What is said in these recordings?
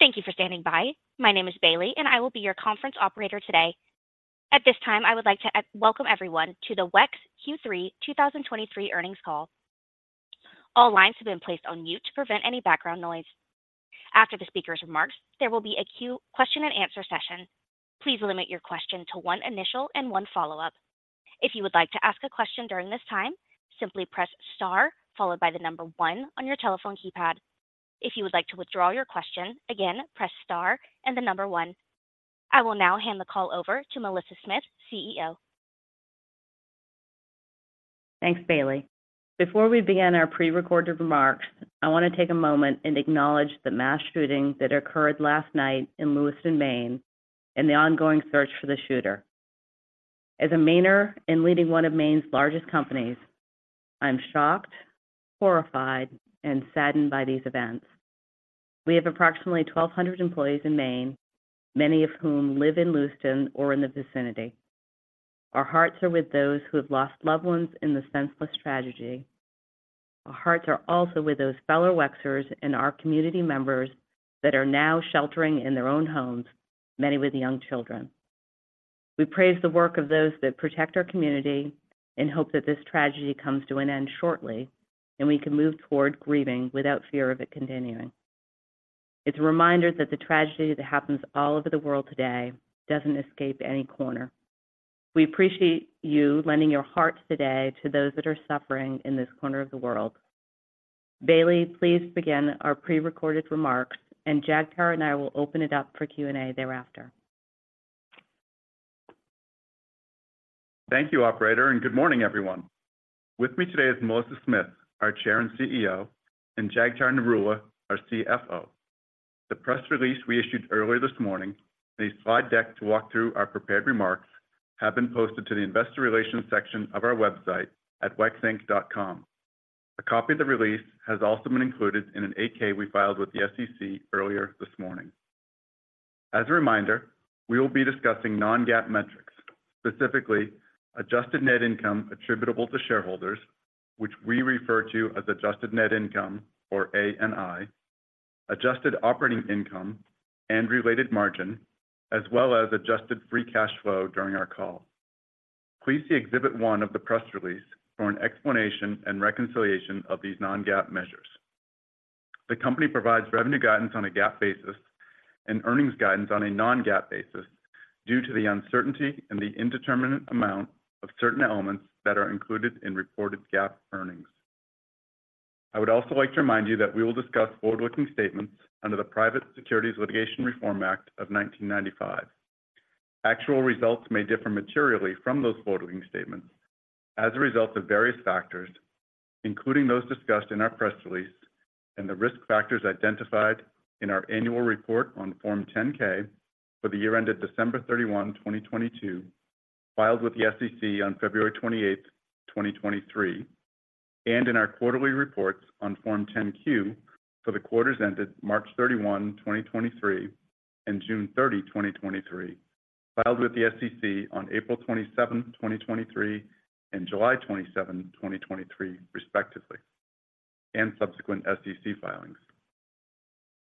Thank you for standing by. My name is Bailey, and I will be your conference operator today. At this time, I would like to welcome everyone to the WEX Q3 2023 earnings call. All lines have been placed on mute to prevent any background noise. After the speaker's remarks, there will be a Question and Answer session. Please limit your question to one initial and one follow-up. If you would like to ask a question during this time, simply press star followed by the number one on your telephone keypad. If you would like to withdraw your question, again, press star and the number one. I will now hand the call over to Melissa Smith, CEO. Thanks, Bailey. Before we begin our prerecorded remarks, I want to take a moment and acknowledge the mass shooting that occurred last night in Lewiston, Maine, and the ongoing search for the shooter. As a Mainer and leading one of Maine's largest companies, I'm shocked, horrified, and saddened by these events. We have approximately 1,200 employees in Maine, many of whom live in Lewiston or in the vicinity. Our hearts are with those who have lost loved ones in this senseless tragedy. Our hearts are also with those fellow WEXers and our community members that are now sheltering in their own homes, many with young children. We praise the work of those that protect our community and hope that this tragedy comes to an end shortly, and we can move toward grieving without fear of it continuing. It's a reminder that the tragedy that happens all over the world today doesn't escape any corner. We appreciate you lending your hearts today to those that are suffering in this corner of the world. Bailey, please begin our prerecorded remarks, and Jagtar and I will open it up for Q&A thereafter. Thank you, operator, and good morning, everyone. With me today is Melissa Smith, our Chair and CEO, and Jagtar Narula, our CFO. The press release we issued earlier this morning, a slide deck to walk through our prepared remarks, have been posted to the investor relations section of our website at wexinc.com. A copy of the release has also been included in an 8-K we filed with the SEC earlier this morning. As a reminder, we will be discussing non-GAAP metrics, specifically adjusted net income attributable to shareholders, which we refer to as adjusted net income or ANI, adjusted operating income and related margin, as well as adjusted free cash flow during our call. Please see Exhibit 1 of the press release for an explanation and reconciliation of these non-GAAP measures. The company provides revenue guidance on a GAAP basis and earnings guidance on a non-GAAP basis due to the uncertainty and the indeterminate amount of certain elements that are included in reported GAAP earnings. I would also like to remind you that we will discuss forward-looking statements under the Private Securities Litigation Reform Act of 1995. Actual results may differ materially from those forward-looking statements as a result of various factors, including those discussed in our press release and the risk factors identified in our annual report on Form 10-K for the year ended December 31, 2022, filed with the SEC on February 28, 2023, and in our quarterly reports on Form 10-Q for the quarters ended March 31, 2023, and June 30, 2023, filed with the SEC on April 27, 2023, and July 27, 2023, respectively, and subsequent SEC filings.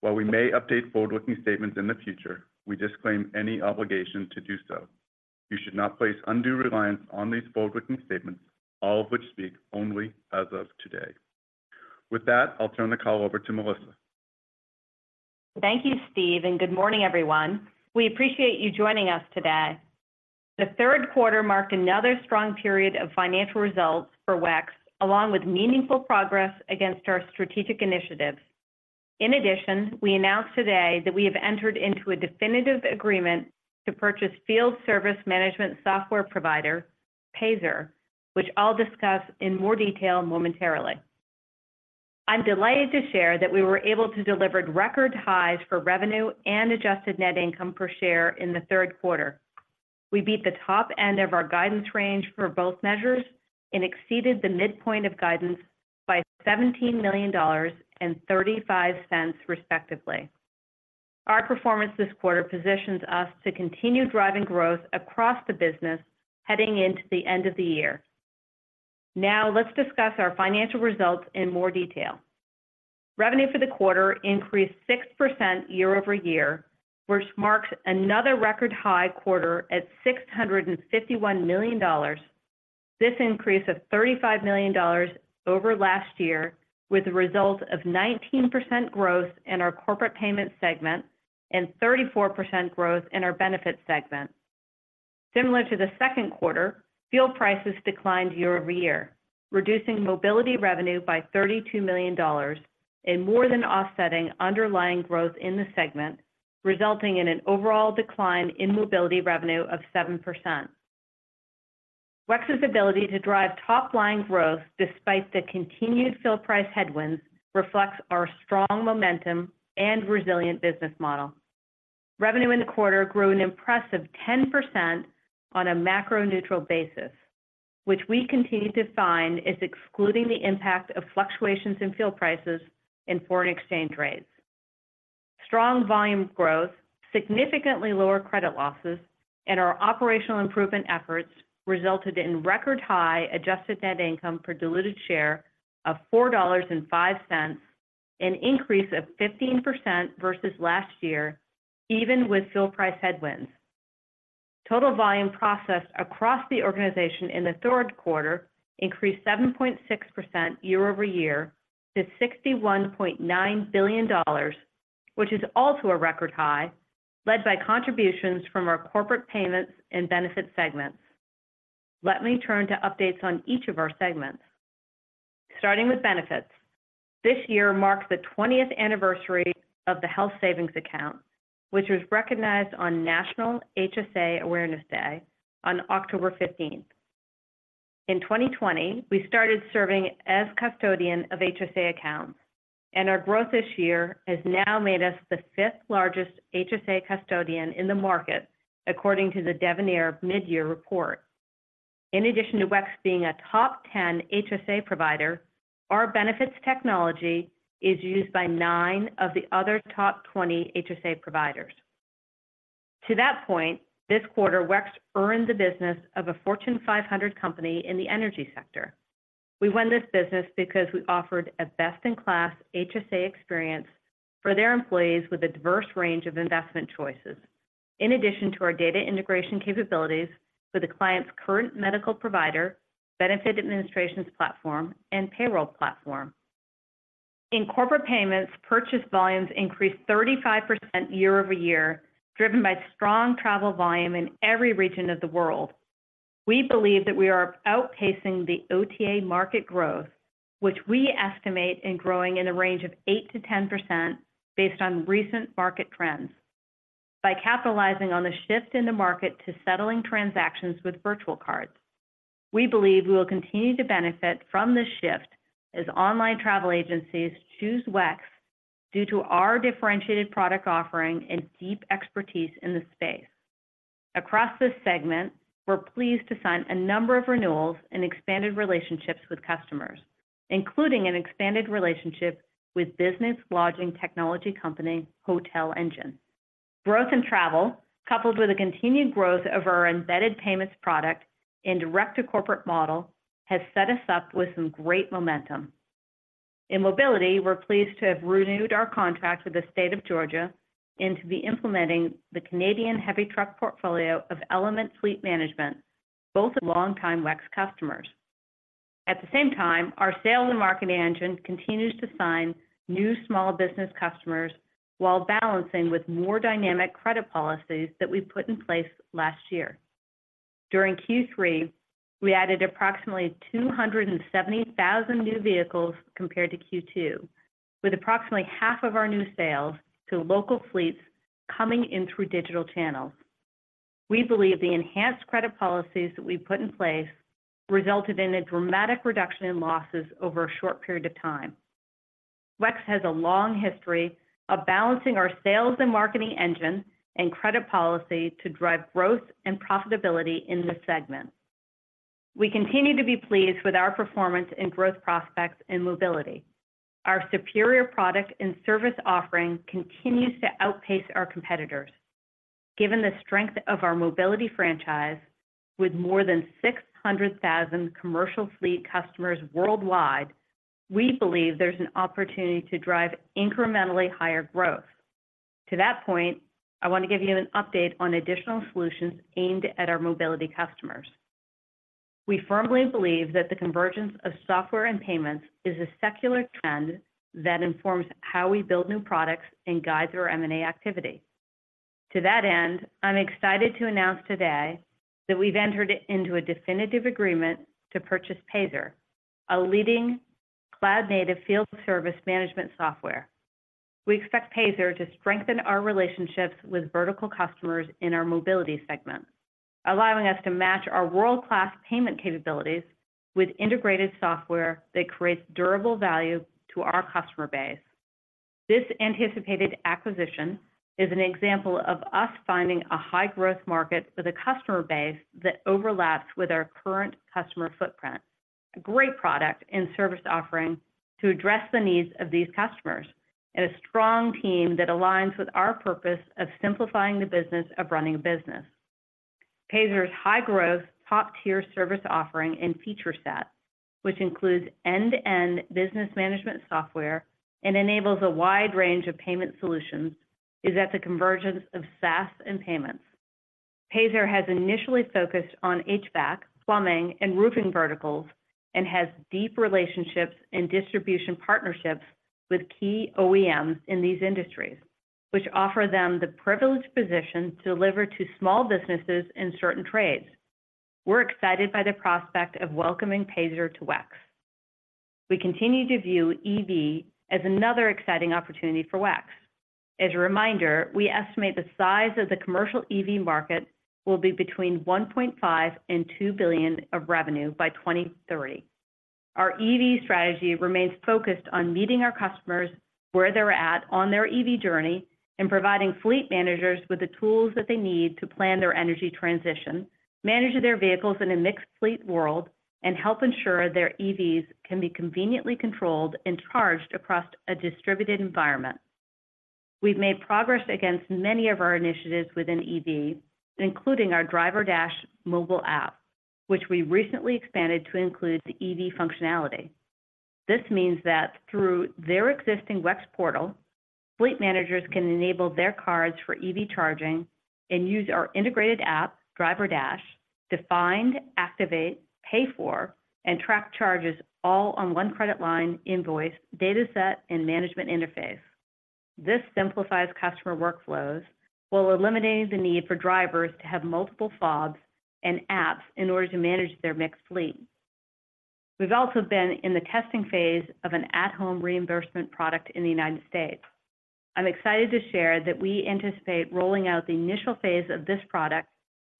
While we may update forward-looking statements in the future, we disclaim any obligation to do so. You should not place undue reliance on these forward-looking statements, all of which speak only as of today. With that, I'll turn the call over to Melissa. Thank you, Steve, and good morning, everyone. We appreciate you joining us today. The third quarter marked another strong period of financial results for WEX, along with meaningful progress against our strategic initiatives. In addition, we announced today that we have entered into a definitive agreement to purchase field service management software provider, Payzer, which I'll discuss in more detail momentarily. I'm delighted to share that we were able to deliver record highs for revenue and adjusted net income per share in the third quarter. We beat the top end of our guidance range for both measures and exceeded the midpoint of guidance by $17 million and 35 cents, respectively. Our performance this quarter positions us to continue driving growth across the business, heading into the end of the year. Now, let's discuss our financial results in more detail. Revenue for the quarter increased 6% year-over-year, which marks another record high quarter at $651 million. This increase of $35 million over last year was a result of 19% growth in our corporate payment segment and 34% growth in our benefit segment. Similar to the second quarter, fuel prices declined year-over-year, reducing mobility revenue by $32 million and more than offsetting underlying growth in the segment, resulting in an overall decline in mobility revenue of 7%. WEX's ability to drive top-line growth despite the continued fuel price headwinds, reflects our strong momentum and resilient business model. Revenue in the quarter grew an impressive 10% on a macro neutral basis, which we continue to find is excluding the impact of fluctuations in fuel prices and foreign exchange rates. Strong volume growth, significantly lower credit losses-... Our operational improvement efforts resulted in record high adjusted net income per diluted share of $4.05, an increase of 15% versus last year, even with fuel price headwinds. Total volume processed across the organization in the third quarter increased 7.6% year-over-year to $61.9 billion, which is also a record high, led by contributions from our Corporate Payments and Benefits segments. Let me turn to updates on each of our segments. Starting with Benefits, this year marks the 20th anniversary of the Health Savings Account, which was recognized on National HSA Awareness Day on October 15th. In 2020, we started serving as custodian of HSA accounts, and our growth this year has now made us the fifth largest HSA custodian in the market, according to the Devenir Mid-Year Report. In addition to WEX being a top 10 HSA provider, our benefits technology is used by nine of the other top 20 HSA providers. To that point, this quarter, WEX earned the business of a Fortune 500 company in the energy sector. We won this business because we offered a best-in-class HSA experience for their employees with a diverse range of investment choices, in addition to our data integration capabilities with the client's current medical provider, benefit administration platform, and payroll platform. In corporate payments, purchase volumes increased 35% year-over-year, driven by strong travel volume in every region of the world. We believe that we are outpacing the OTA market growth, which we estimate in growing in a range of 8%-10% based on recent market trends. By capitalizing on the shift in the market to settling transactions with virtual cards, we believe we will continue to benefit from this shift as online travel agencies choose WEX due to our differentiated product offering and deep expertise in the space. Across this segment, we're pleased to sign a number of renewals and expanded relationships with customers, including an expanded relationship with business lodging technology company, Hotel Engine. Growth in travel, coupled with a continued growth of our embedded payments product and direct-to-corporate model, has set us up with some great momentum. In mobility, we're pleased to have renewed our contract with the state of Georgia and to be implementing the Canadian heavy truck portfolio of Element Fleet Management, both of long-time WEX customers. At the same time, our sales and marketing engine continues to sign new small business customers while balancing with more dynamic credit policies that we put in place last year. During Q3, we added approximately 270,000 new vehicles compared to Q2, with approximately half of our new sales to local fleets coming in through digital channels. We believe the enhanced credit policies that we put in place resulted in a dramatic reduction in losses over a short period of time. WEX has a long history of balancing our sales and marketing engine and credit policy to drive growth and profitability in this segment. We continue to be pleased with our performance and growth prospects in mobility. Our superior product and service offering continues to outpace our competitors. Given the strength of our mobility franchise, with more than 600,000 commercial fleet customers worldwide, we believe there's an opportunity to drive incrementally higher growth. To that point, I want to give you an update on additional solutions aimed at our mobility customers. We firmly believe that the convergence of software and payments is a secular trend that informs how we build new products and guides our M&A activity. To that end, I'm excited to announce today that we've entered into a definitive agreement to purchase Payzer, a leading cloud-native field service management software. We expect Payzer to strengthen our relationships with vertical customers in our mobility segment, allowing us to match our world-class payment capabilities with integrated software that creates durable value to our customer base. This anticipated acquisition is an example of us finding a high-growth market with a customer base that overlaps with our current customer footprint, a great product and service offering to address the needs of these customers, and a strong team that aligns with our purpose of simplifying the business of running a business. Payzer's high-growth, top-tier service offering and feature set, which includes end-to-end business management software and enables a wide range of payment solutions, is at the convergence of SaaS and payments. Payzer has initially focused on HVAC, plumbing, and roofing verticals, and has deep relationships and distribution partnerships with key OEMs in these industries, which offer them the privileged position to deliver to small businesses in certain trades. We're excited by the prospect of welcoming Payzer to WEX. We continue to view EV as another exciting opportunity for WEX. As a reminder, we estimate the size of the commercial EV market will be between $1.5 billion and $2 billion of revenue by 2030. Our EV strategy remains focused on meeting our customers where they're at on their EV journey and providing fleet managers with the tools that they need to plan their energy transition, manage their vehicles in a mixed fleet world, and help ensure their EVs can be conveniently controlled and charged across a distributed environment. We've made progress against many of our initiatives within EV, including our DriverDash mobile app, which we recently expanded to include the EV functionality. This means that through their existing WEX portal, fleet managers can enable their cards for EV charging and use our integrated app, DriverDash, to find, activate, pay for, and track charges all on one credit line, invoice, data set, and management interface. This simplifies customer workflows, while eliminating the need for drivers to have multiple fobs and apps in order to manage their mixed fleet. We've also been in the testing phase of an at-home reimbursement product in the United States. I'm excited to share that we anticipate rolling out the initial phase of this product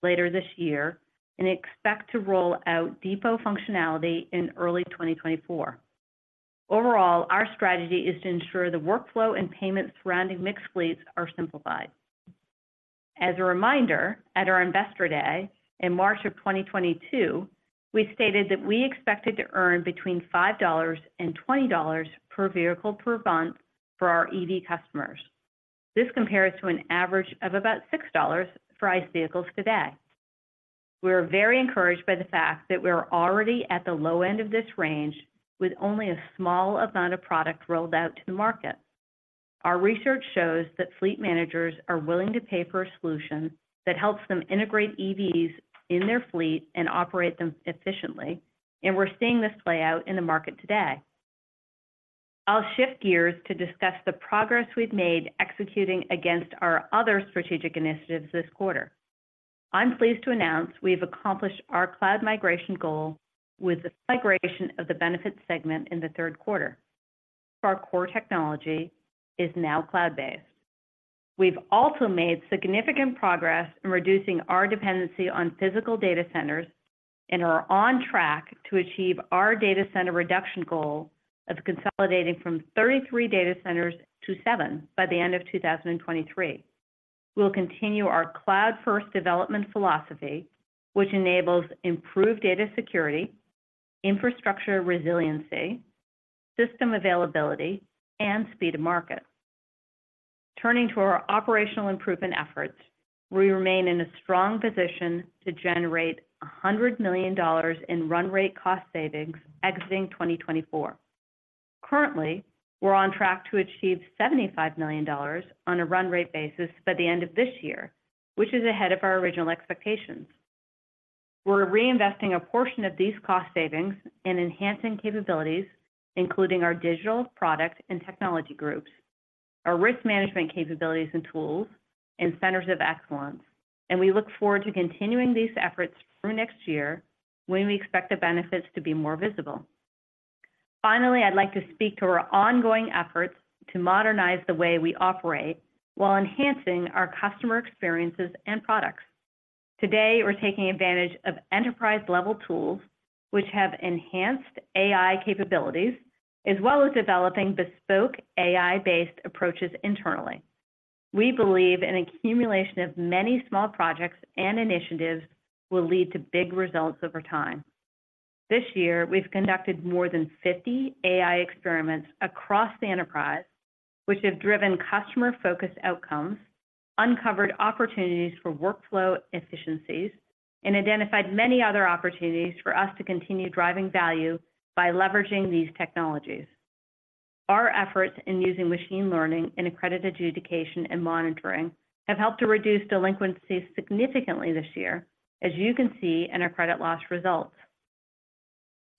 later this year, and expect to roll out depot functionality in early 2024. Overall, our strategy is to ensure the workflow and payment surrounding mixed fleets are simplified. As a reminder, at our Investor Day in March 2022, we stated that we expected to earn between $5 and $20 per vehicle per month for our EV customers. This compares to an average of about $6 for ICE vehicles today. We are very encouraged by the fact that we are already at the low end of this range, with only a small amount of product rolled out to the market. Our research shows that fleet managers are willing to pay for a solution that helps them integrate EVs in their fleet and operate them efficiently, and we're seeing this play out in the market today. I'll shift gears to discuss the progress we've made executing against our other strategic initiatives this quarter. I'm pleased to announce we've accomplished our cloud migration goal with the migration of the benefit segment in the third quarter. Our core technology is now cloud-based. We've also made significant progress in reducing our dependency on physical data centers and are on track to achieve our data center reduction goal of consolidating from 33 data centers to seven by the end of 2023. We'll continue our cloud-first development philosophy, which enables improved data security, infrastructure resiliency, system availability, and speed to market. Turning to our operational improvement efforts, we remain in a strong position to generate $100 million in run rate cost savings exiting 2024. Currently, we're on track to achieve $75 million on a run rate basis by the end of this year, which is ahead of our original expectations. We're reinvesting a portion of these cost savings in enhancing capabilities, including our digital product and technology groups, our risk management capabilities and tools, and centers of excellence, and we look forward to continuing these efforts through next year, when we expect the benefits to be more visible. Finally, I'd like to speak to our ongoing efforts to modernize the way we operate while enhancing our customer experiences and products. Today, we're taking advantage of enterprise-level tools, which have enhanced AI capabilities, as well as developing bespoke AI-based approaches internally. We believe an accumulation of many small projects and initiatives will lead to big results over time. This year, we've conducted more than 50 AI experiments across the enterprise, which have driven customer-focused outcomes, uncovered opportunities for workflow efficiencies, and identified many other opportunities for us to continue driving value by leveraging these technologies. Our efforts in using machine learning in credit adjudication and monitoring have helped to reduce delinquencies significantly this year, as you can see in our credit loss results.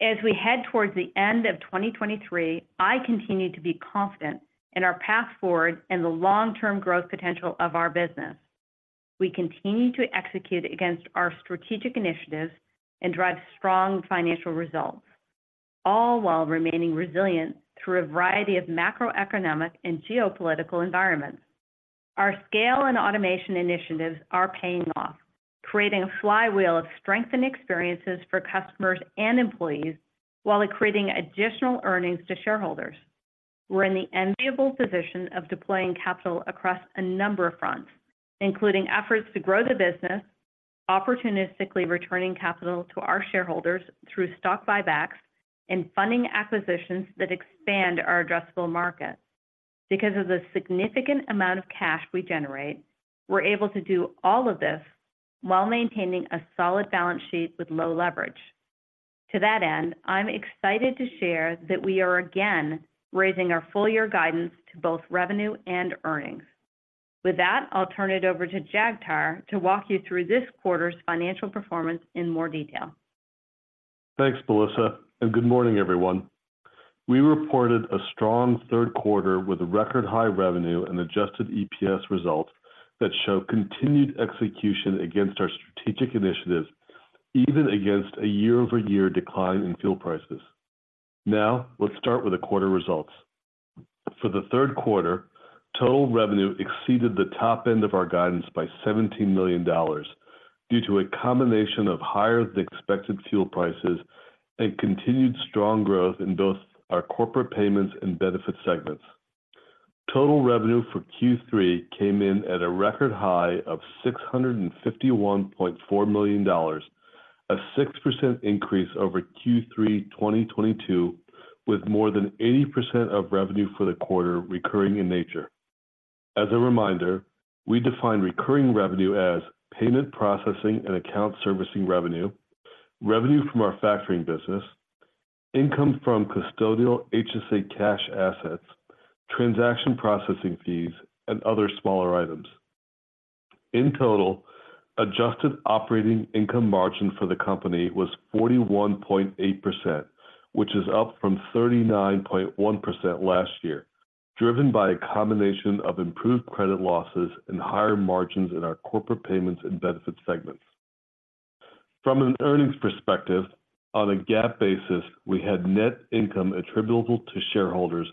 As we head towards the end of 2023, I continue to be confident in our path forward and the long-term growth potential of our business. We continue to execute against our strategic initiatives and drive strong financial results, all while remaining resilient through a variety of macroeconomic and geopolitical environments. Our scale and automation initiatives are paying off, creating a flywheel of strength and experiences for customers and employees while accreting additional earnings to shareholders. We're in the enviable position of deploying capital across a number of fronts, including efforts to grow the business, opportunistically returning capital to our shareholders through stock buybacks, and funding acquisitions that expand our addressable market. Because of the significant amount of cash we generate, we're able to do all of this while maintaining a solid balance sheet with low leverage. To that end, I'm excited to share that we are again raising our full year guidance to both revenue and earnings. With that, I'll turn it over to Jagtar to walk you through this quarter's financial performance in more detail. Thanks, Melissa, and good morning, everyone. We reported a strong third quarter with record high revenue and adjusted EPS results that show continued execution against our strategic initiatives, even against a year-over-year decline in fuel prices. Now, let's start with the quarter results. For the third quarter, total revenue exceeded the top end of our guidance by $17 million due to a combination of higher-than-expected fuel prices and continued strong growth in both our corporate payments and benefit segments. Total revenue for Q3 came in at a record high of $651.4 million. A 6% increase over Q3 2022, with more than 80% of revenue for the quarter recurring in nature. As a reminder, we define recurring revenue as payment processing and account servicing revenue, revenue from our factoring business, income from custodial HSA cash assets, transaction processing fees, and other smaller items. In total, adjusted operating income margin for the company was 41.8%, which is up from 39.1% last year, driven by a combination of improved credit losses and higher margins in our Corporate Payments and Benefits segments. From an earnings perspective, on a GAAP basis, we had net income attributable to shareholders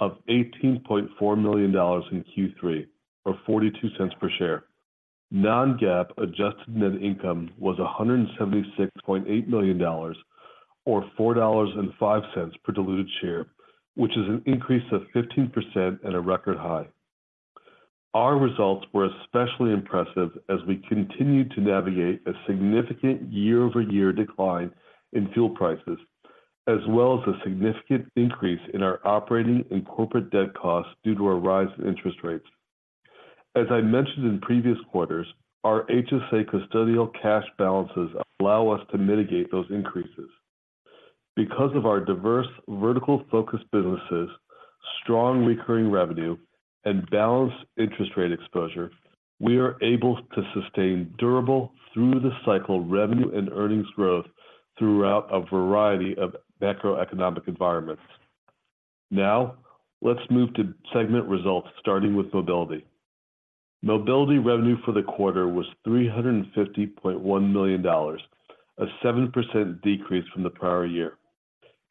of $18.4 million in Q3, or $0.42 per share. Non-GAAP adjusted net income was $176.8 million, or $4.05 per diluted share, which is an increase of 15% and a record high. Our results were especially impressive as we continued to navigate a significant year-over-year decline in fuel prices, as well as a significant increase in our operating and corporate debt costs due to a rise in interest rates. As I mentioned in previous quarters, our HSA custodial cash balances allow us to mitigate those increases. Because of our diverse, vertical-focused businesses, strong recurring revenue, and balanced interest rate exposure, we are able to sustain durable through-the-cycle revenue and earnings growth throughout a variety of macroeconomic environments. Now, let's move to segment results, starting with mobility. Mobility revenue for the quarter was $350.1 million, a 7% decrease from the prior year.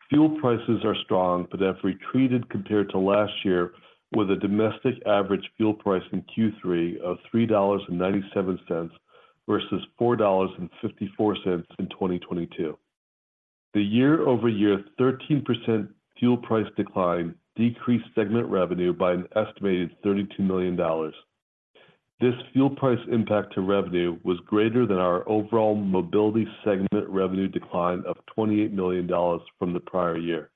Fuel prices are strong, but have retreated compared to last year, with a domestic average fuel price in Q3 of $3.97 versus $4.54 in 2022. The year-over-year 13% fuel price decline decreased segment revenue by an estimated $32 million. This fuel price impact to revenue was greater than our overall mobility segment revenue decline of $28 million from the prior year.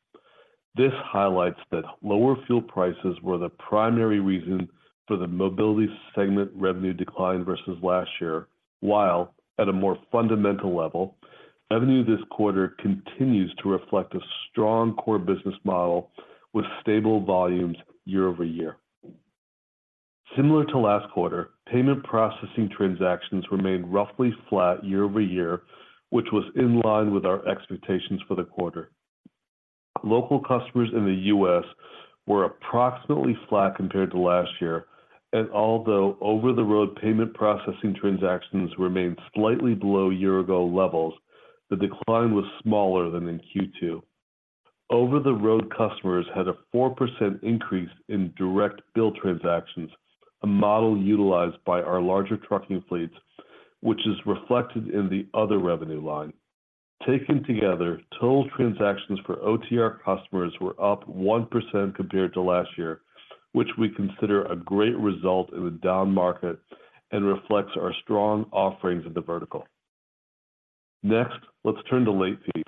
This highlights that lower fuel prices were the primary reason for the mobility segment revenue decline versus last year, while at a more fundamental level, revenue this quarter continues to reflect a strong core business model with stable volumes year over year. Similar to last quarter, payment processing transactions remained roughly flat year over year, which was in line with our expectations for the quarter. Local customers in the U.S. were approximately flat compared to last year, and although over-the-road payment processing transactions remained slightly below year-ago levels, the decline was smaller than in Q2. Over-the-road customers had a 4% increase in direct bill transactions, a model utilized by our larger trucking fleets, which is reflected in the other revenue line. Taken together, total transactions for OTR customers were up 1% compared to last year, which we consider a great result in a down market and reflects our strong offerings in the vertical. Next, let's turn to late fees.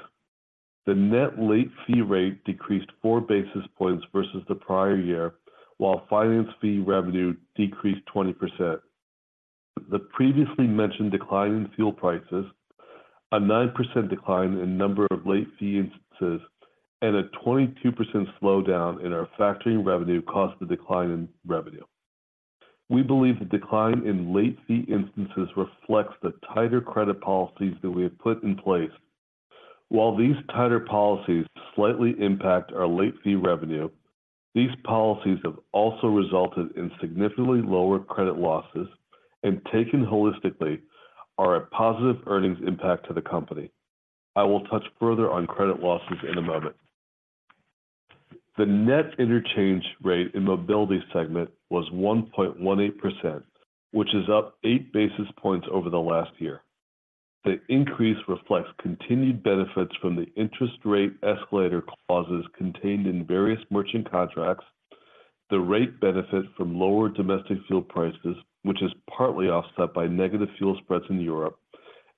The net late fee rate decreased 4 basis points versus the prior year, while finance fee revenue decreased 20%. The previously mentioned decline in fuel prices, a 9% decline in number of late fee instances, and a 22% slowdown in our factoring revenue caused the decline in revenue. We believe the decline in late fee instances reflects the tighter credit policies that we have put in place. While these tighter policies slightly impact our late fee revenue, these policies have also resulted in significantly lower credit losses and, taken holistically, are a positive earnings impact to the company. I will touch further on credit losses in a moment. The net interchange rate in mobility segment was 1.18%, which is up 8 basis points over the last year. The increase reflects continued benefits from the interest rate escalator clauses contained in various merchant contracts, the rate benefit from lower domestic fuel prices, which is partly offset by negative fuel spreads in Europe,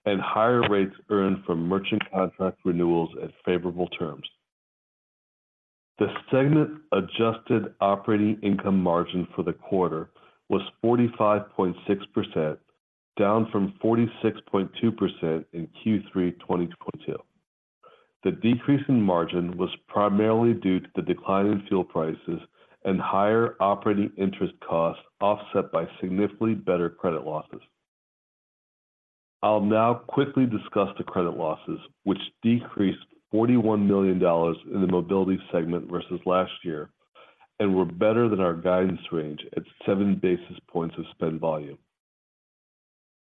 and higher rates earned from merchant contract renewals at favorable terms. The segment's adjusted operating income margin for the quarter was 45.6%, down from 46.2% in Q3 2022. The decrease in margin was primarily due to the decline in fuel prices and higher operating interest costs, offset by significantly better credit losses. I'll now quickly discuss the credit losses, which decreased $41 million in the mobility segment versus last year and were better than our guidance range at seven basis points of spend volume.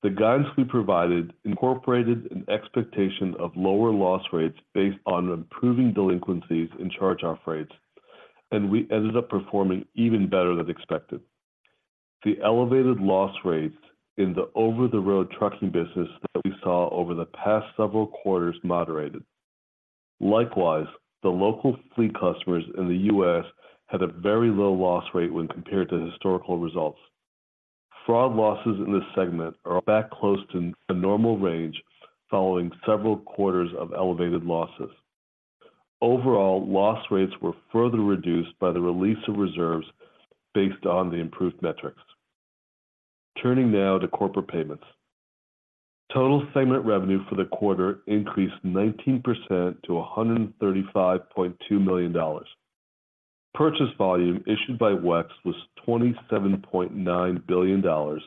The guidance we provided incorporated an expectation of lower loss rates based on improving delinquencies in charge-off rates, and we ended up performing even better than expected. The elevated loss rates in the over-the-road trucking business that we saw over the past several quarters moderated. Likewise, the local fleet customers in the U.S. had a very low loss rate when compared to historical results. Fraud losses in this segment are back close to a normal range following several quarters of elevated losses. Overall, loss rates were further reduced by the release of reserves based on the improved metrics. Turning now to Corporate Payments. Total segment revenue for the quarter increased 19% to $135.2 million. Purchase volume issued by WEX was $27.9 billion,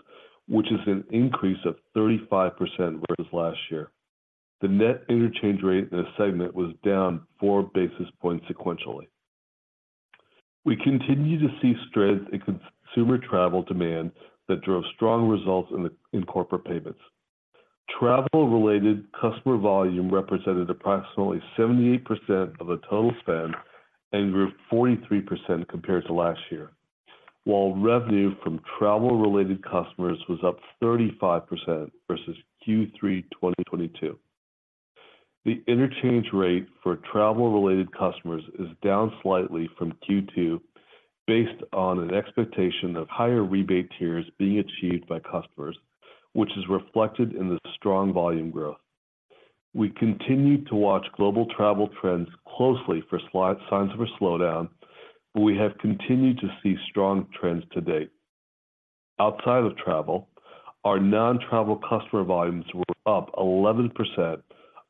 which is an increase of 35% versus last year. The net interchange rate in this segment was down 4 basis points sequentially. We continue to see strength in consumer travel demand that drove strong results in corporate payments. Travel-related customer volume represented approximately 78% of the total spend and grew 43% compared to last year, while revenue from travel-related customers was up 35% versus Q3 2022. The interchange rate for travel-related customers is down slightly from Q2, based on an expectation of higher rebate tiers being achieved by customers, which is reflected in the strong volume growth. We continue to watch global travel trends closely for slight signs of a slowdown, but we have continued to see strong trends to date. Outside of travel, our non-travel customer volumes were up 11%,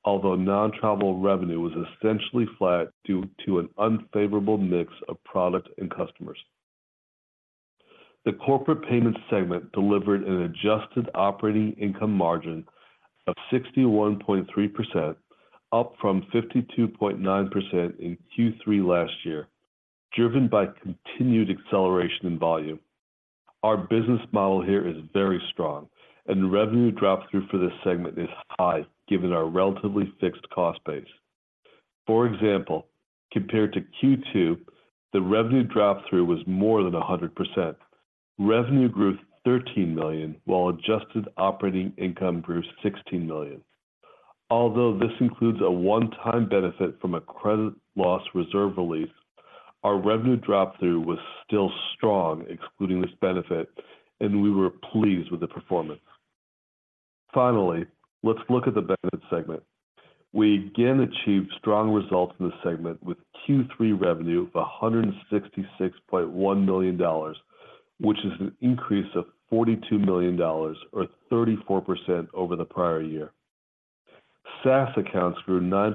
although non-travel revenue was essentially flat due to an unfavorable mix of products and customers. The corporate payments segment delivered an adjusted operating income margin of 61.3%, up from 52.9% in Q3 last year, driven by continued acceleration in volume. Our business model here is very strong, and the revenue drop through for this segment is high, given our relatively fixed cost base. For example, compared to Q2, the revenue drop-through was more than 100%. Revenue grew $13 million, while adjusted operating income grew $16 million. Although this includes a one-time benefit from a credit loss reserve release, our revenue drop-through was still strong, excluding this benefit, and we were pleased with the performance. Finally, let's look at the benefits segment. We again achieved strong results in this segment with Q3 revenue of $166.1 million, which is an increase of $42 million or 34% over the prior year. SaaS accounts grew 9%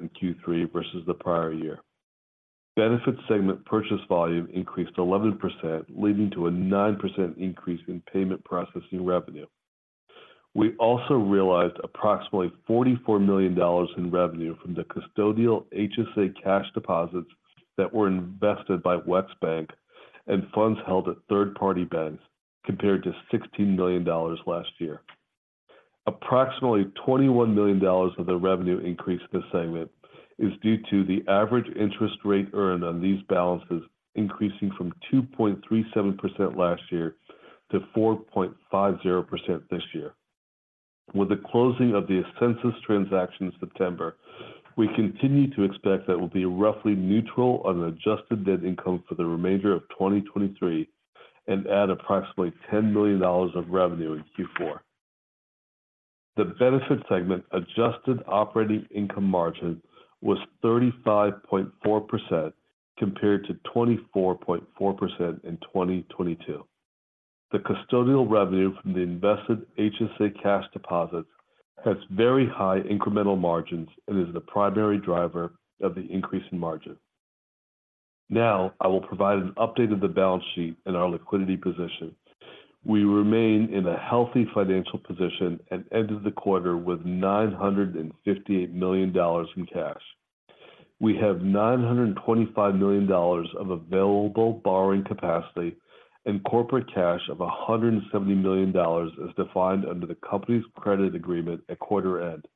in Q3 versus the prior year. Benefits segment purchase volume increased 11%, leading to a 9% increase in payment processing revenue. We also realized approximately $44 million in revenue from the custodial HSA cash deposits that were invested by WEX Bank and funds held at third-party banks, compared to $16 million last year. Approximately $21 million of the revenue increase in this segment is due to the average interest rate earned on these balances, increasing from 2.37% last year to 4.50% this year. With the closing of the Ascensus transaction in September, we continue to expect that we'll be roughly neutral on an adjusted net income for the remainder of 2023 and add approximately $10 million of revenue in Q4. The benefit segment adjusted operating income margin was 35.4%, compared to 24.4% in 2022. The custodial revenue from the invested HSA cash deposits has very high incremental margins and is the primary driver of the increase in margin. Now, I will provide an update of the balance sheet and our liquidity position. We remain in a healthy financial position and ended the quarter with $958 million in cash. We have $925 million of available borrowing capacity and corporate cash of $170 million as defined under the company's credit agreement at quarter end.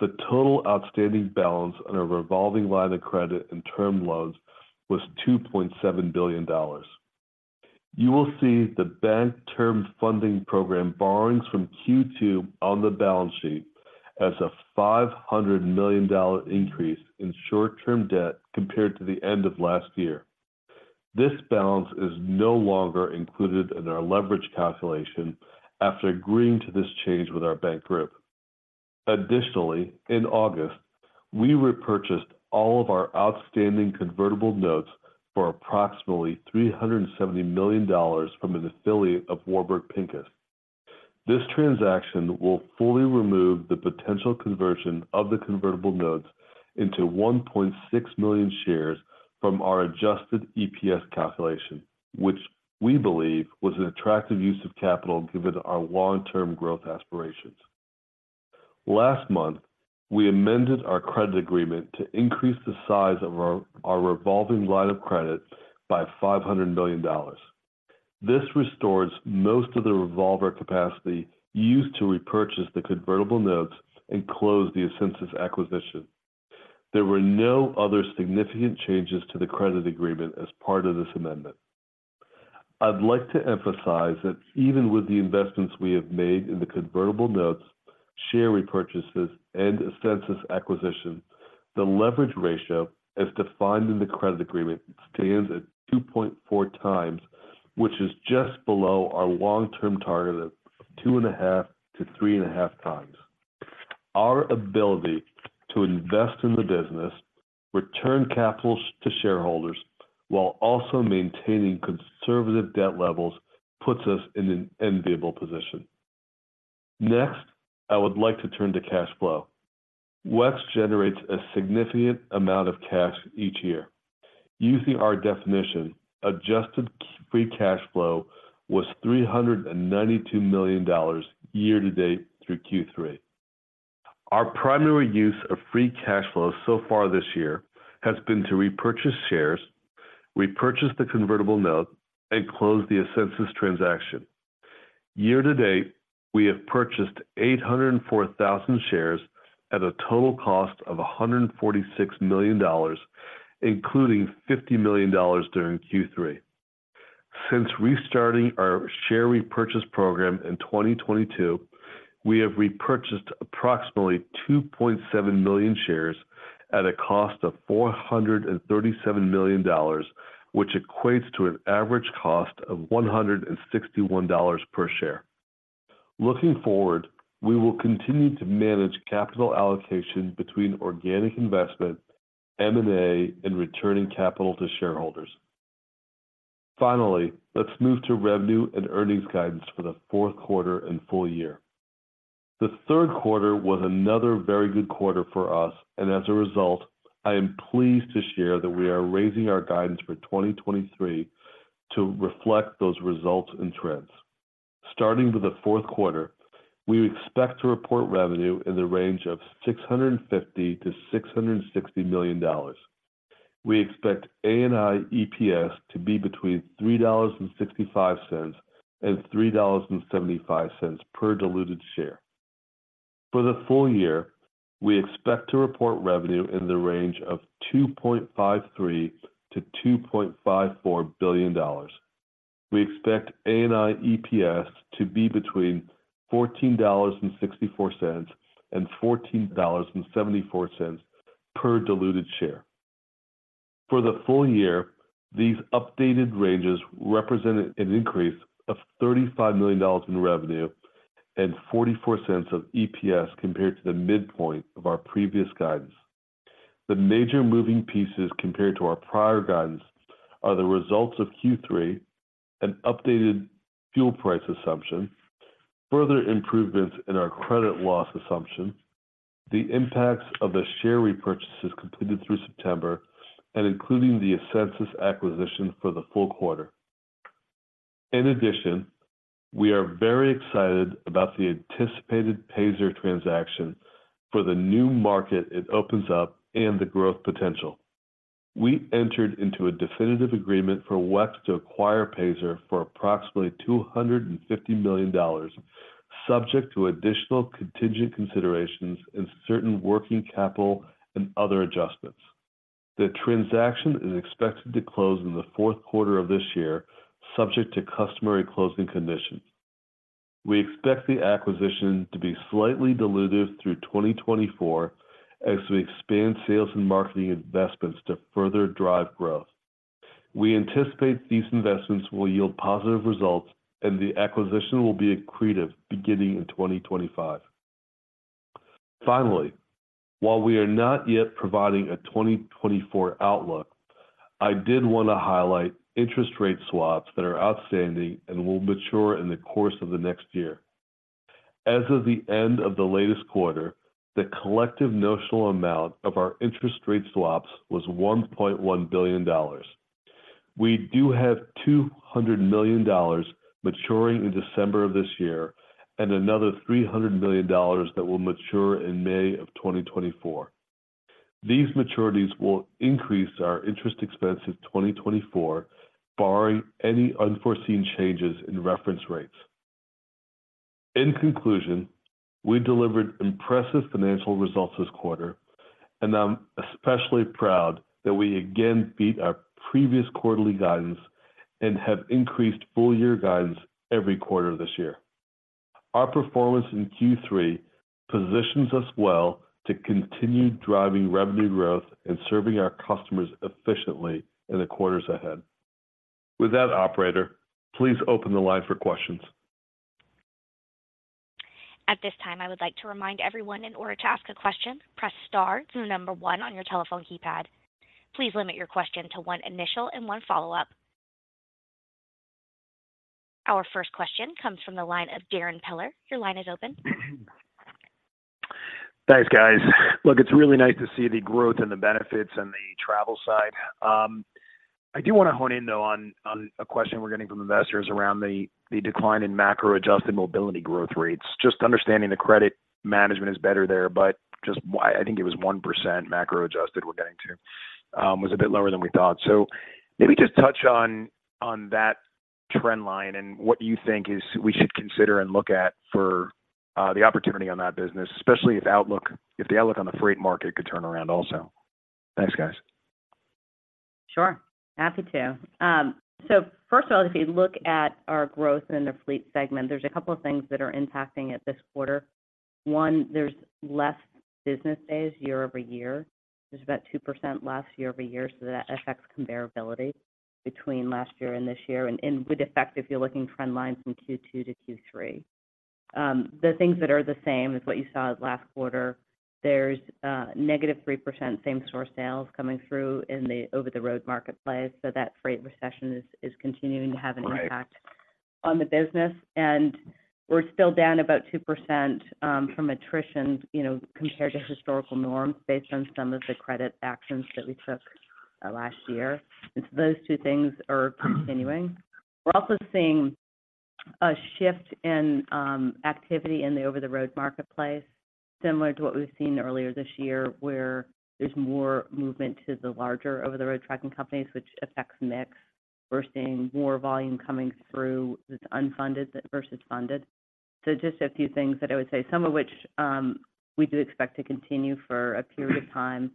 The total outstanding balance on our revolving line of credit and term loans was $2.7 billion. You will see the Bank Term Funding Program borrowings from Q2 on the balance sheet as a $500 million increase in short-term debt compared to the end of last year. This balance is no longer included in our leverage calculation after agreeing to this change with our bank group. Additionally, in August, we repurchased all of our outstanding convertible notes for approximately $370 million from an affiliate of Warburg Pincus. This transaction will fully remove the potential conversion of the convertible notes into 1.6 million shares from our adjusted EPS calculation, which we believe was an attractive use of capital given our long-term growth aspirations. Last month, we amended our credit agreement to increase the size of our revolving line of credit by $500 million. This restores most of the revolver capacity used to repurchase the convertible notes and close the Ascensus acquisition. There were no other significant changes to the credit agreement as part of this amendment. I'd like to emphasize that even with the investments we have made in the convertible notes, share repurchases, and Ascensus acquisition, the leverage ratio, as defined in the credit agreement, stands at 2.4 times, which is just below our long-term target of 2.5x-3.5x. Our ability to invest in the business, return capital to shareholders, while also maintaining conservative debt levels, puts us in an enviable position. Next, I would like to turn to cash flow. WEX generates a significant amount of cash each year. Using our definition, adjusted free cash flow was $392 million year-to-date through Q3. Our primary use of free cash flow so far this year has been to repurchase shares, repurchase the convertible note, and close the Ascensus transaction. Year to date, we have purchased 804,000 shares at a total cost of $146 million, including $50 million during Q3. Since restarting our share repurchase program in 2022, we have repurchased approximately 2.7 million shares at a cost of $437 million, which equates to an average cost of $161 per share. Looking forward, we will continue to manage capital allocation between organic investment, M&A, and returning capital to shareholders. Finally, let's move to revenue and earnings guidance for the fourth quarter and full year. The third quarter was another very good quarter for us, and as a result, I am pleased to share that we are raising our guidance for 2023 to reflect those results and trends. Starting with the fourth quarter, we expect to report revenue in the range of $650 million-$660 million. We expect ANI EPS to be between $3.65 and $3.75 per diluted share. For the full year, we expect to report revenue in the range of $2.53 billion-$2.54 billion. We expect ANI EPS to be between $14.64 and $14.74 per diluted share. For the full year, these updated ranges represent an increase of $35 million in revenue and 44 cents of EPS compared to the midpoint of our previous guidance. The major moving pieces compared to our prior guidance are the results of Q3, an updated fuel price assumption, further improvements in our credit loss assumption, the impacts of the share repurchases completed through September, and including the Ascensus acquisition for the full quarter. In addition, we are very excited about the anticipated Payzer transaction for the new market it opens up and the growth potential. We entered into a definitive agreement for WEX to acquire Payzer for approximately $250 million, subject to additional contingent considerations and certain working capital and other adjustments. The transaction is expected to close in the fourth quarter of this year, subject to customary closing conditions. We expect the acquisition to be slightly dilutive through 2024 as we expand sales and marketing investments to further drive growth. We anticipate these investments will yield positive results, and the acquisition will be accretive beginning in 2025. Finally, while we are not yet providing a 2024 outlook, I did want to highlight interest rate swaps that are outstanding and will mature in the course of the next year. As of the end of the latest quarter, the collective notional amount of our interest rate swaps was $1.1 billion. We do have $200 million maturing in December of this year and another $300 million that will mature in May of 2024. These maturities will increase our interest expense in 2024, barring any unforeseen changes in reference rates. In conclusion, we delivered impressive financial results this quarter, and I'm especially proud that we again beat our previous quarterly guidance and have increased full year guidance every quarter this year. Our performance in Q3 positions us well to continue driving revenue growth and serving our customers efficiently in the quarters ahead. With that, operator, please open the line for questions. At this time, I would like to remind everyone, in order to ask a question, press star through number one on your telephone keypad. Please limit your question to one initial and one follow-up. Our first question comes from the line of Darrin Peller. Your line is open. Thanks, guys. Look, it's really nice to see the growth and the benefits on the travel side. I do want to hone in, though, on, on a question we're getting from investors around the, the decline in macro-adjusted mobility growth rates. Just understanding the credit management is better there, but just why... I think it was 1% macro-adjusted we're getting to, was a bit lower than we thought. So maybe just touch on, on that trend line and what you think is we should consider and look at for the opportunity on that business, especially if outlook, if the outlook on the freight market could turn around also. Thanks, guys. Sure, happy to. First of all, if you look at our growth in the fleet segment, there's a couple of things that are impacting it this quarter. One, there's less business days year-over-year. There's about 2% less year-over-year, so that affects comparability between last year and this year, and would affect if you're looking trend lines from Q2 to Q3. The things that are the same as what you saw last quarter, there's negative 3% same-store sales coming through in the over-the-road marketplace, so that freight recession is continuing to have an impact. Right -on the business. And we're still down about 2%, from attrition, you know, compared to historical norms, based on some of the credit actions that we took, last year. And so those two things are continuing. We're also seeing a shift in, activity in the over-the-road marketplace, similar to what we've seen earlier this year, where there's more movement to the larger over-the-road trucking companies, which affects mix. We're seeing more volume coming through that's unfunded versus funded. So just a few things that I would say, some of which, we do expect to continue for a period of time.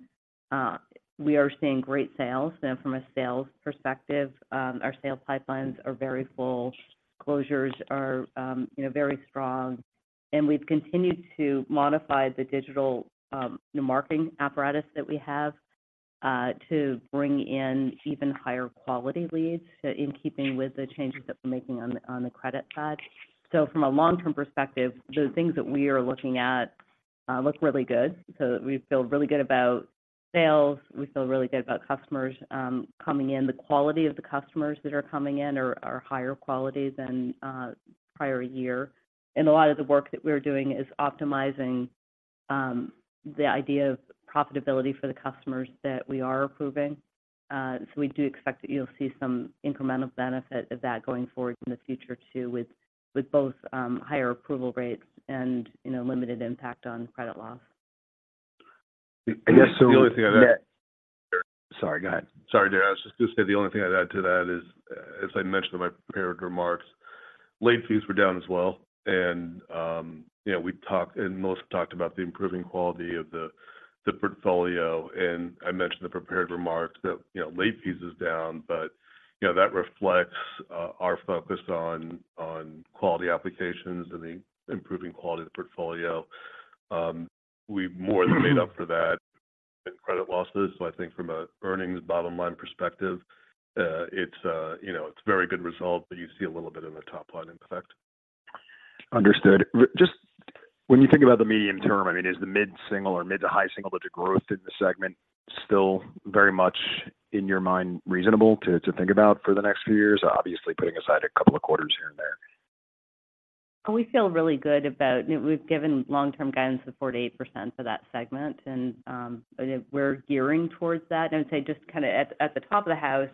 We are seeing great sales. You know, from a sales perspective, our sales pipelines are very full. Closures are, you know, very strong, and we've continued to modify the digital, you know, marketing apparatus that we have, to bring in even higher quality leads to—in keeping with the changes that we're making on the credit side. So from a long-term perspective, the things that we are looking at look really good. So we feel really good about sales. We feel really good about customers coming in. The quality of the customers that are coming in are higher quality than prior year. And a lot of the work that we're doing is optimizing the idea of profitability for the customers that we are approving. So we do expect that you'll see some incremental benefit of that going forward in the future, too, with both higher approval rates and, you know, limited impact on credit loss. I guess the only thing I'd add- Sorry, go ahead. Sorry, Darren. I was just going to say the only thing I'd add to that is, as I mentioned in my prepared remarks, late fees were down as well. You know, we talked—and Melissa talked about the improving quality of the, the portfolio, and I mentioned the prepared remarks that, you know, late fees is down. But, you know, that reflects our focus on quality applications and the improving quality of the portfolio. We've more than made up for that in credit losses. So I think from a earnings bottom line perspective, it's you know, it's a very good result, but you see a little bit of a top line effect. Understood. Just when you think about the medium term, I mean, is the mid-single or mid- to high single-digit growth in the segment still very much, in your mind, reasonable to think about for the next few years? Obviously, putting aside a couple of quarters here and there. We feel really good about... We've given long-term guidance of 4%-8% for that segment, and we're gearing towards that. I would say just kind of at, at the top of the house,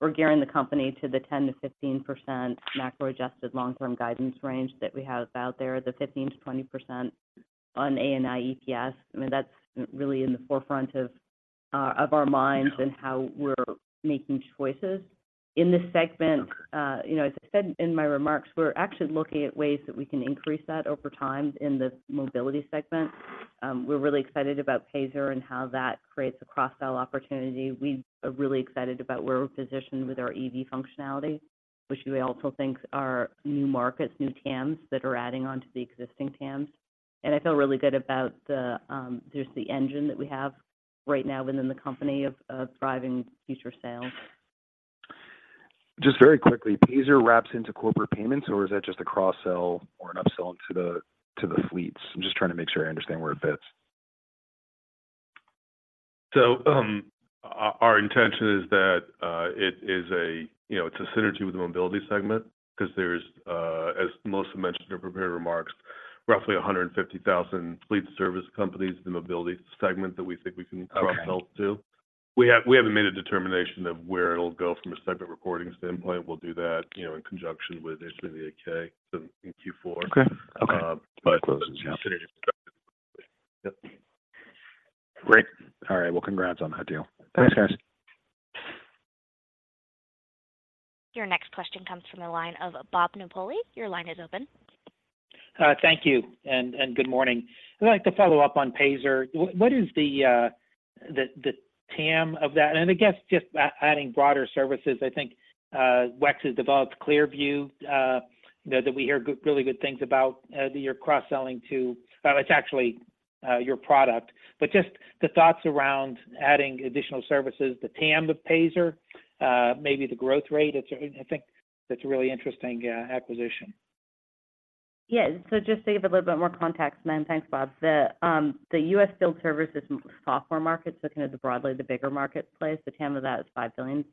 we're gearing the company to the 10%-15% macro-adjusted long-term guidance range that we have out there, the 15%-20% on ANI EPS. I mean, that's really in the forefront of, of our minds and how we're making choices. In this segment, you know, as I said in my remarks, we're actually looking at ways that we can increase that over time in the mobility segment. We're really excited about Payzer and how that creates a cross-sell opportunity. We are really excited about where we're positioned with our EV functionality, which we also think are new markets, new TAMs, that are adding on to the existing TAMs. I feel really good about just the engine that we have right now within the company of driving future sales. Just very quickly, Payzer wraps into corporate payments, or is that just a cross-sell or an upselling to the, to the fleets? I'm just trying to make sure I understand where it fits. So, our intention is that, you know, it's a synergy with the mobility segment because there's, as Melissa mentioned in her prepared remarks, roughly 150,000 fleet service companies in the mobility segment that we think we can cross-sell to. We haven't made a determination of where it'll go from a segment reporting standpoint. We'll do that, you know, in conjunction with issuing the 8-K, so in Q4. Okay. Okay. Uh, but- Closes, yeah. Yep. Great. All right. Well, congrats on that deal. Thanks, guys. Your next question comes from the line of Bob Napoli. Your line is open. Thank you, and good morning. I'd like to follow up on Payzer. What is the TAM of that? And I guess just adding broader services, I think WEX has developed ClearView, you know, that we hear really good things about, that you're cross-selling to... It's actually your product. But just the thoughts around adding additional services, the TAM of Payzer, maybe the growth rate. It's, I think that's a really interesting acquisition. Yeah. So just to give a little bit more context, and thanks, Bob. The, the U.S. field services software market, so kind of the broadly the bigger marketplace. The TAM of that is $5 billion.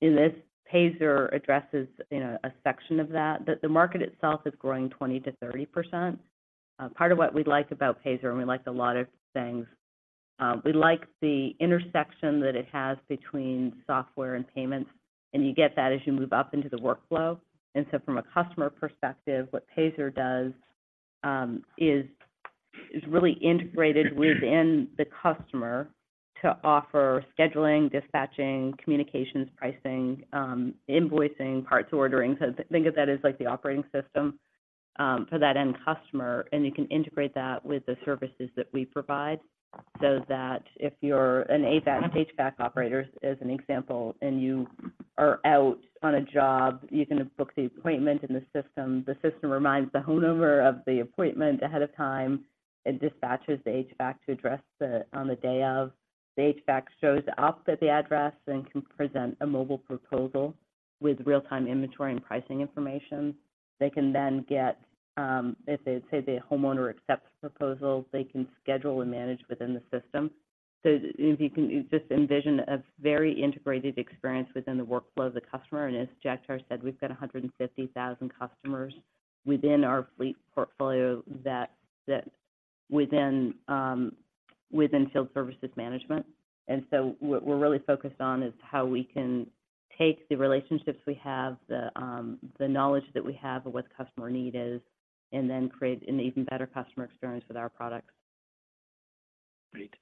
In this, Payzer addresses, you know, a section of that. The, the market itself is growing 20%-30%. Part of what we like about Payzer, and we like a lot of things, we like the intersection that it has between software and payments, and you get that as you move up into the workflow. And so from a customer perspective, what Payzer does, is, is really integrated within the customer to offer scheduling, dispatching, communications, pricing, invoicing, parts ordering. So think of that as like the operating system.... for that end customer, and you can integrate that with the services that we provide, so that if you're an HVAC operator, as an example, and you are out on a job, you can book the appointment in the system. The system reminds the homeowner of the appointment ahead of time and dispatches the HVAC to address the, on the day of. The HVAC shows up at the address and can present a mobile proposal with real-time inventory and pricing information. They can then get, if they, say, the homeowner accepts the proposal, they can schedule and manage within the system. If you can just envision a very integrated experience within the workflow of the customer, and as Jagtar said, we've got 150,000 customers within our fleet portfolio that, that within, within field services management. What we're really focused on is how we can take the relationships we have, the knowledge that we have of what the customer need is, and then create an even better customer experience with our products. Great.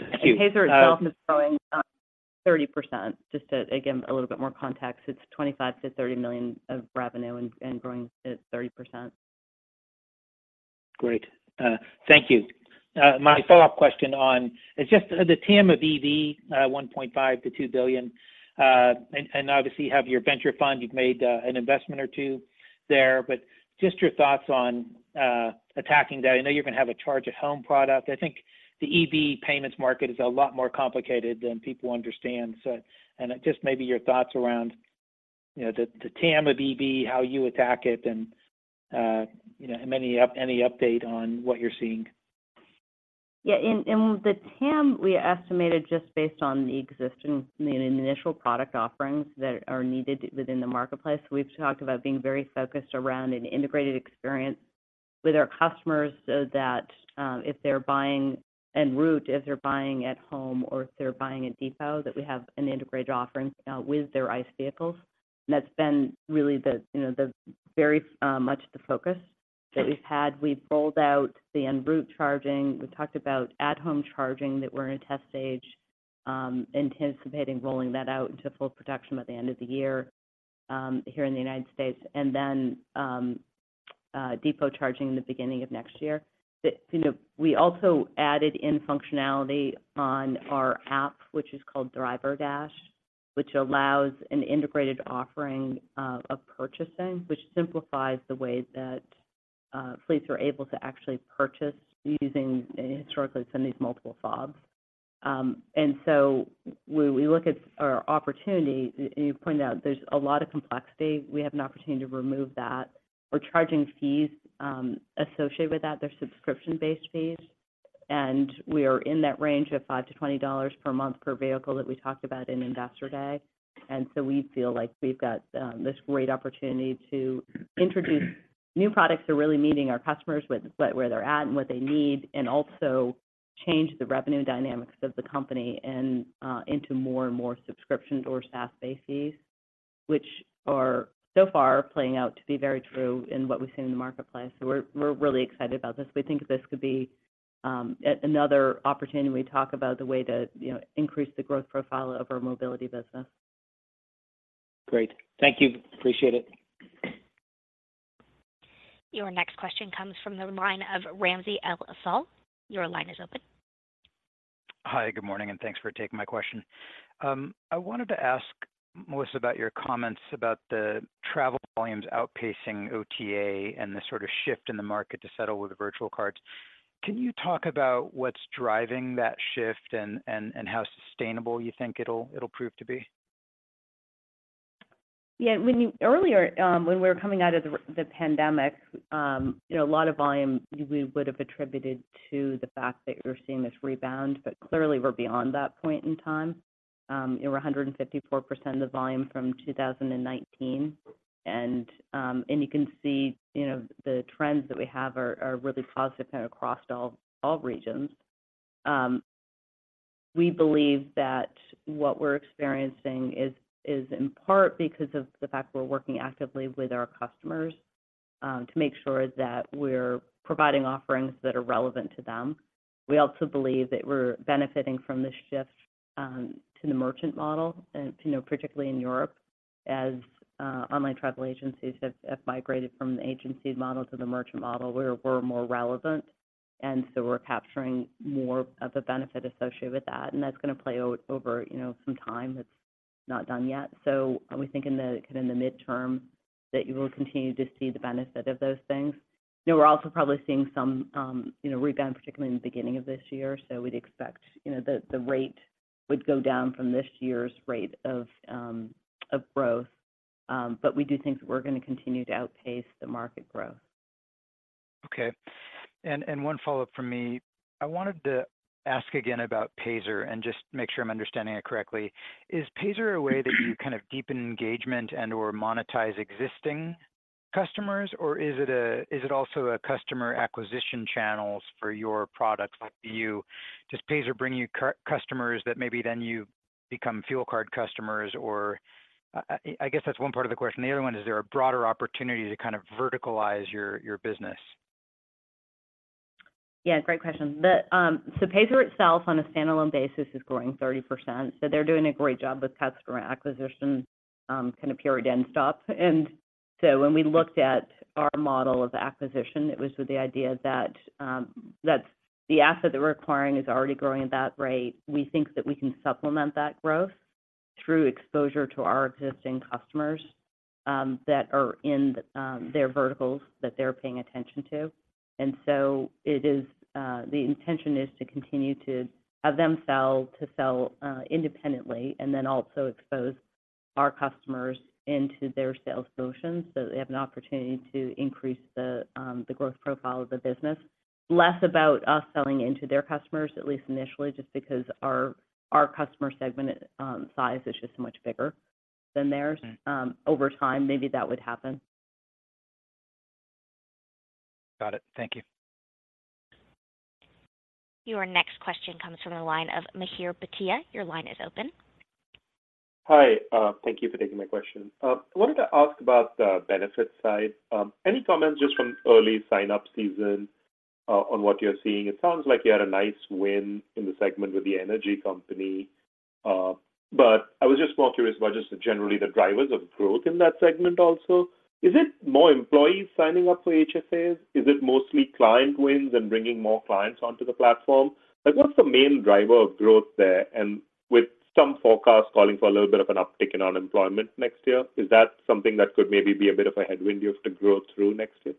Thank you. Payzer itself is growing 30%. Just to, again, a little bit more context, it's $25 million-$30 million of revenue and growing at 30%. Great. Thank you. My follow-up question on... It's just the TAM of EV, $1.5 billion-$2 billion. And obviously, you have your venture fund. You've made an investment or two there, but just your thoughts on attacking that. I know you're going to have a charge at home product. I think the EV payments market is a lot more complicated than people understand, so... And just maybe your thoughts around, you know, the TAM of EV, how you attack it, and you know, and any update on what you're seeing. Yeah, and the TAM, we estimated just based on the existing, the initial product offerings that are needed within the marketplace. We've talked about being very focused around an integrated experience with our customers, so that, if they're buying en route, if they're buying at home, or if they're buying at depot, that we have an integrated offering, with their ICE vehicles. And that's been really the, you know, the very, much the focus that we've had. We've rolled out the en route charging. We talked about at-home charging, that we're in a test stage, anticipating rolling that out into full production by the end of the year, here in the United States, and then, depot charging in the beginning of next year. But, you know, we also added in functionality on our app, which is called DriverDash, which allows an integrated offering of purchasing, which simplifies the way that fleets are able to actually purchase using, historically, some of these multiple FOBs. And so when we look at our opportunity, you pointed out there's a lot of complexity. We have an opportunity to remove that. We're charging fees associated with that. They're subscription-based fees, and we are in that range of $5-$20 per month per vehicle that we talked about in Investor Day. And so we feel like we've got this great opportunity to introduce new products that are really meeting our customers with where they're at and what they need, and also change the revenue dynamics of the company and into more and more subscription or SaaS-based fees, which are so far playing out to be very true in what we've seen in the marketplace. So we're really excited about this. We think this could be another opportunity when we talk about the way to, you know, increase the growth profile of our mobility business. Great. Thank you. Appreciate it. Your next question comes from the line of Ramsey El-Assal. Your line is open. Hi, good morning, and thanks for taking my question. I wanted to ask Melissa about your comments about the travel volumes outpacing OTA and the sort of shift in the market to settle with the virtual cards. Can you talk about what's driving that shift and how sustainable you think it'll prove to be? Yeah, when you earlier, when we were coming out of the pandemic, you know, a lot of volume we would have attributed to the fact that we're seeing this rebound, but clearly, we're beyond that point in time. We're 154% of the volume from 2019, and you can see, you know, the trends that we have are really positive kind of across all regions. We believe that what we're experiencing is in part because of the fact we're working actively with our customers to make sure that we're providing offerings that are relevant to them. We also believe that we're benefiting from this shift to the merchant model, and, you know, particularly in Europe, as online travel agencies have migrated from the agency model to the merchant model, where we're more relevant, and so we're capturing more of the benefit associated with that. And that's going to play over, you know, some time. It's not done yet. So we think in the, kind of in the midterm, that you will continue to see the benefit of those things. You know, we're also probably seeing some, you know, rebound, particularly in the beginning of this year, so we'd expect, you know, the rate would go down from this year's rate of growth. But we do think that we're going to continue to outpace the market growth. Okay. And one follow-up from me. I wanted to ask again about Payzer and just make sure I'm understanding it correctly. Is Payzer a way that you kind of deepen engagement and/or monetize existing customers, or is it a-- is it also a customer acquisition channels for your products? Like, do you... Does Payzer bring you customers that maybe then you become fuel card customers or... I guess that's one part of the question. The other one, is there a broader opportunity to kind of verticalize your business? ... Yeah, great question. The, so Payzer itself on a standalone basis is growing 30%. So they're doing a great job with customer acquisition, kind of prudent step. And so when we looked at our model of acquisition, it was with the idea that, that the asset that we're acquiring is already growing at that rate. We think that we can supplement that growth through exposure to our existing customers, that are in the, their verticals that they're paying attention to. And so it is, the intention is to continue to have them sell, to sell, independently and then also expose our customers into their sales motions, so they have an opportunity to increase the, the growth profile of the business. Less about us selling into their customers, at least initially, just because our customer segment size is just much bigger than theirs. Over time, maybe that would happen. Got it. Thank you. Your next question comes from the line of Mihir Bhatia. Your line is open. Hi, thank you for taking my question. I wanted to ask about the benefit side. Any comments just from early sign-up season, on what you're seeing? It sounds like you had a nice win in the segment with the energy company, but I was just more curious about just generally the drivers of growth in that segment also. Is it more employees signing up for HSAs? Is it mostly client wins and bringing more clients onto the platform? Like, what's the main driver of growth there? And with some forecasts calling for a little bit of an uptick in unemployment next year, is that something that could maybe be a bit of a headwind you have to grow through next year?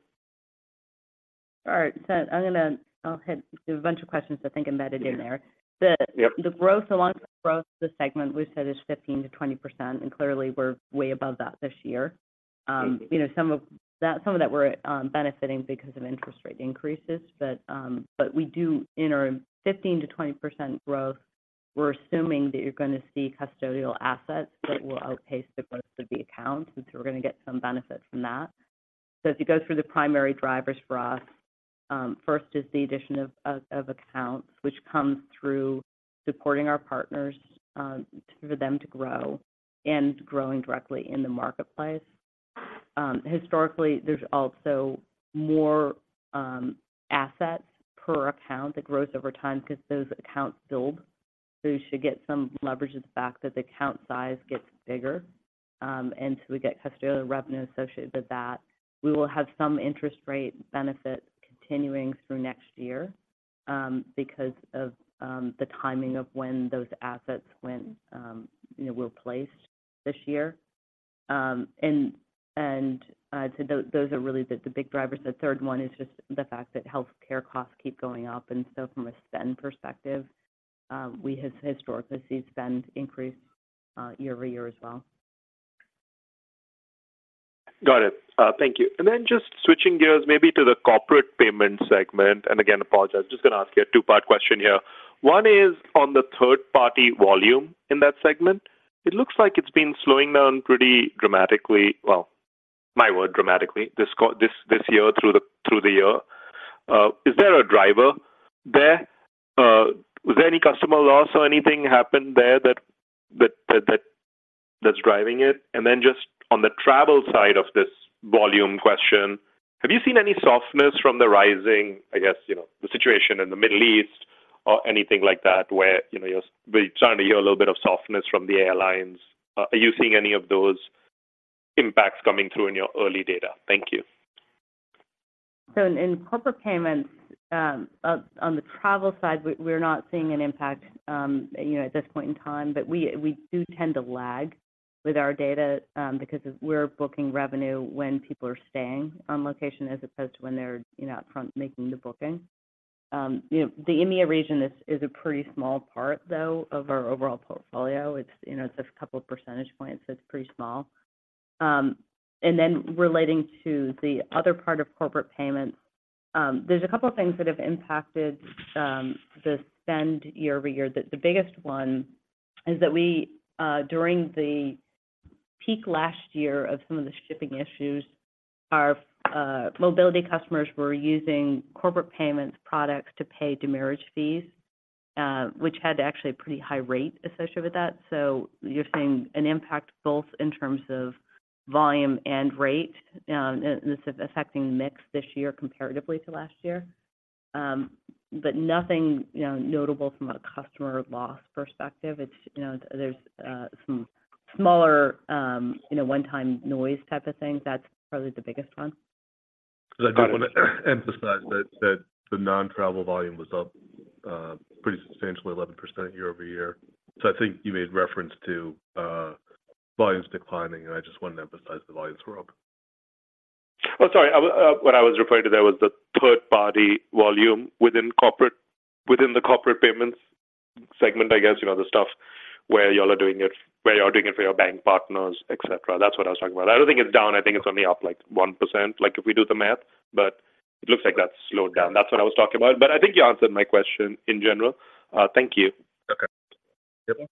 All right. So I'm gonna-- I'll hit a bunch of questions I think embedded in there. Yep. The long-term growth of the segment, we've said is 15%-20%, and clearly, we're way above that this year. You know, some of that we're benefiting because of interest rate increases, but we do in our 15%-20% growth, we're assuming that you're gonna see custodial assets that will outpace the growth of the account, since we're gonna get some benefit from that. So as you go through the primary drivers for us, first is the addition of accounts, which comes through supporting our partners for them to grow and growing directly in the marketplace. Historically, there's also more assets per account that grows over time because those accounts build, so you should get some leverage of the fact that the account size gets bigger, and so we get custodial revenue associated with that. We will have some interest rate benefit continuing through next year because of the timing of when those assets went, you know, were placed this year. And so those are really the big drivers. The third one is just the fact that healthcare costs keep going up, and so from a spend perspective, we have historically seen spend increase year-over-year as well. Got it. Thank you. And then just switching gears maybe to the corporate payment segment, and again, apologize, just gonna ask you a two-part question here. One is on the third-party volume in that segment. It looks like it's been slowing down pretty dramatically. Well, my word, dramatically, this year through the year. Is there a driver there? Was there any customer loss or anything happened there that's driving it? And then just on the travel side of this volume question, have you seen any softness from the rising, I guess, you know, the situation in the Middle East or anything like that, where, you know, you're starting to hear a little bit of softness from the airlines? Are you seeing any of those impacts coming through in your early data? Thank you. So in corporate payments, on the travel side, we're not seeing an impact, you know, at this point in time, but we do tend to lag with our data, because we're booking revenue when people are staying on location as opposed to when they're, you know, up front making the booking. You know, the India region is a pretty small part, though, of our overall portfolio. It's, you know, just a couple of percentage points, so it's pretty small. And then relating to the other part of corporate payments, there's a couple of things that have impacted the spend year-over-year. The biggest one is that we, during the peak last year of some of the shipping issues, our, mobility customers were using corporate payments products to pay demurrage fees, which had actually a pretty high rate associated with that. So you're seeing an impact both in terms of volume and rate, and this is affecting mix this year comparatively to last year. But nothing, you know, notable from a customer loss perspective. It's, you know, there's, some smaller, you know, one-time noise type of things. That's probably the biggest one. I just want to emphasize that the non-travel volume was up pretty substantially, 11% year-over-year. So I think you made reference to volumes declining, and I just wanted to emphasize the volumes were up. Oh, sorry. What I was referring to there was the third-party volume within the corporate payments segment, I guess, you know, the stuff where you're doing it for your bank partners, et cetera. That's what I was talking about. I don't think it's down, I think it's only up, like, 1%, like, if we do the math, but it looks like that's slowed down. That's what I was talking about, but I think you answered my question in general. Thank you. Okay.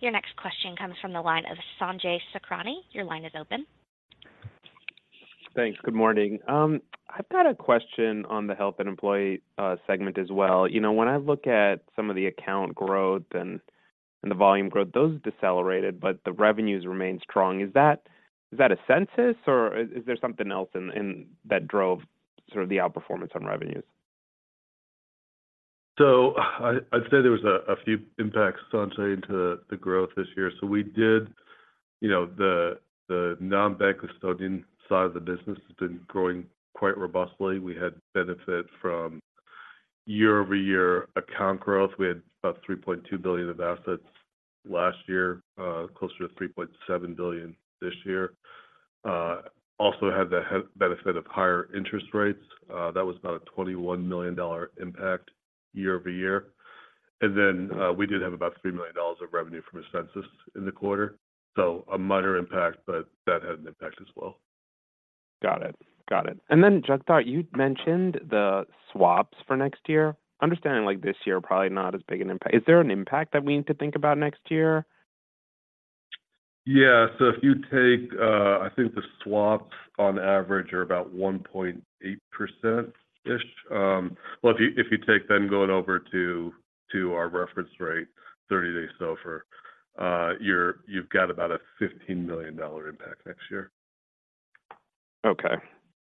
Your next question comes from the line of Sanjay Sakhrani. Your line is open. Thanks. Good morning. I've got a question on the health and employee segment as well. You know, when I look at some of the account growth and the volume growth, those decelerated, but the revenues remained strong. Is that Ascensus, or is there something else in that drove sort of the outperformance on revenues? So I'd say there was a few impacts, Sanjay, into the growth this year. So we did, you know, the non-bank custodian side of the business has been growing quite robustly. We had benefit from year-over-year account growth. We had about $3.2 billion of assets last year, closer to $3.7 billion this year. Also had the benefit of higher interest rates. That was about a $21 million impact year-over-year. And then, we did have about $3 million of revenue from Ascensus in the quarter, so a minor impact, but that had an impact as well. Got it. Got it. And then, Jagtar, you mentioned the swaps for next year. Understanding, like, this year, probably not as big an impact. Is there an impact that we need to think about next year? Yeah. So if you take, I think the swaps on average are about 1.8%. Well, if you take them going over to our reference rate, 30-day SOFR, you've got about a $15 million impact next year. Okay.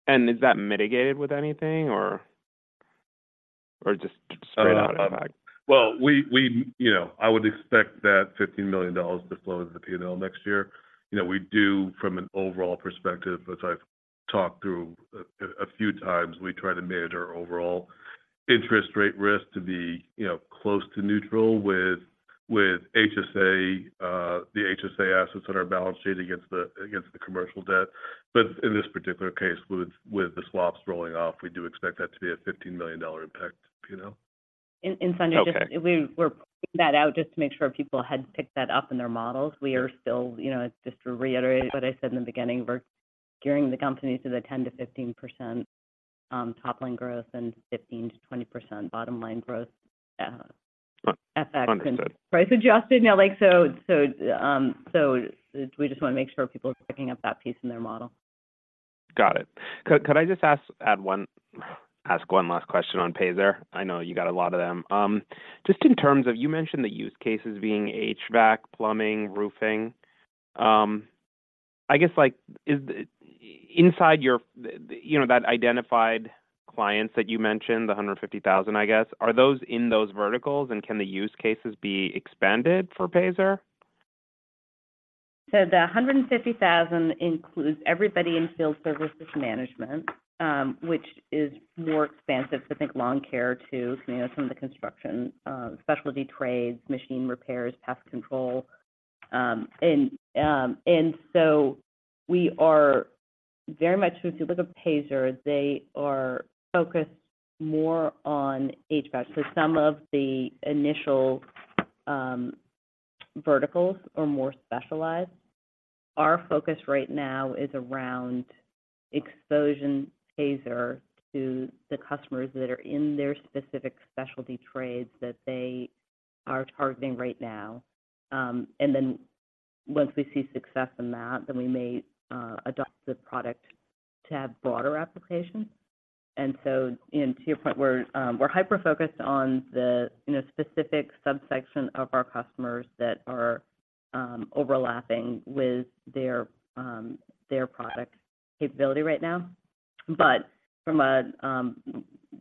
And is that mitigated with anything or just straight out impact? Well, you know, I would expect that $15 million to flow into the P&L next year. You know, we do from an overall perspective, as I've talked through a few times, we try to manage our overall interest rate risk to be, you know, close to neutral with HSA, the HSA assets on our balance sheet against the commercial debt. But in this particular case, with the swaps rolling off, we do expect that to be a $15 million impact to P&L. And Sanjay- Okay. Just we were putting that out just to make sure people had picked that up in their models. We are still... You know, just to reiterate what I said in the beginning, we're gearing the company to the 10%-15% top line growth and 15%-20% bottom line growth. Understood. Price adjusted. Now, like, so we just wanna make sure people are picking up that piece in their model. Got it. Could I just ask one last question on Payzer? I know you got a lot of them. Just in terms of... You mentioned the use cases being HVAC, plumbing, roofing. I guess, like, is inside your, you know, that identified clients that you mentioned, the 150,000, I guess, are those in those verticals, and can the use cases be expanded for Payzer? So the 150,000 includes everybody in field service management, which is more expansive. So think lawn care, too, you know, some of the construction, specialty trades, machine repairs, pest control. And so we are very much with Payzer, they are focused more on HVAC. So some of the initial verticals are more specialized. Our focus right now is around exposing Payzer to the customers that are in their specific specialty trades that they are targeting right now. And then once we see success in that, then we may adopt the product to have broader application. And so to your point, we're hyper-focused on the, you know, specific subsection of our customers that are overlapping with their product capability right now. From a,